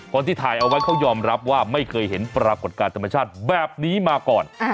คนที่ถ่ายเอาไว้เขายอมรับว่าไม่เคยเห็นปรากฏการณ์ธรรมชาติแบบนี้มาก่อน